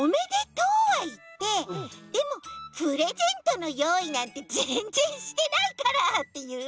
はいってでも「プレゼントのよういなんてぜんぜんしてないから」っていう？